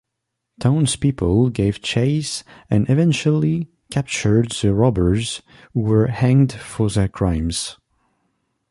Townspeople gave chase and eventually captured the robbers, who were hanged for their crimes.